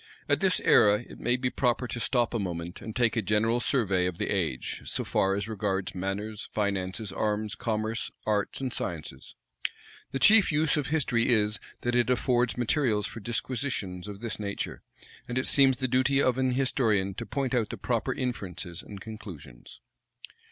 At this era, it may be proper to stop a moment, and take a general survey of the age, so far as regards manners, finances, arms, commerce, arts, and sciences. The chief use of history is, that it affords materials for disquisitions of this nature; and it seems the duty of an historian to point out the proper inferences and conclusions.